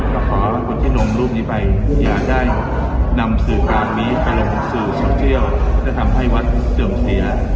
ก็ขอคนที่ดมรูปนี้ไปอย่าได้ดำสื่อกราวมีการจะทำให้วัดเติมเสีย